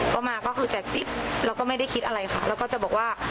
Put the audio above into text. ก็มาก็คือแจกติ๊บเราก็ไม่ได้คิดอะไรค่ะเราก็จะบอกว่า